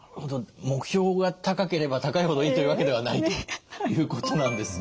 目標が高ければ高いほどいいというわけではないということなんですね。